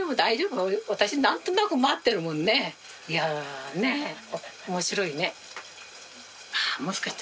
いやねえ面白いね。